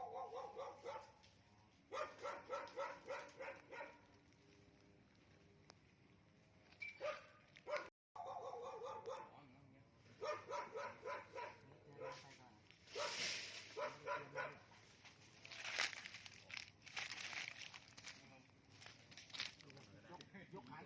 วันที่สุดท้ายมันกลายเป็นเวลาที่สุดท้าย